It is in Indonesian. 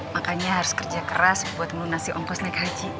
makanya harus kerja keras buat melunasi ongkos naik haji